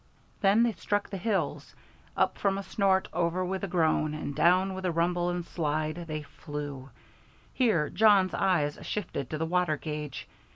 Then they struck the hills. Up with a snort, over with a groan, and down with a rumble and slide, they flew. Here Jawn's eyes shifted to the water gauge.